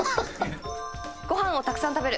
ご飯をたくさん食べる。